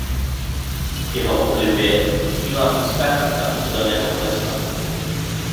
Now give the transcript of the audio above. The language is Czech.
K jeho oblibě přispívá blízká Chata u Zeleného plesa.